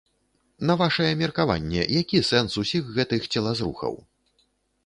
На вашае меркаванне, які сэнс усіх гэтых целазрухаў?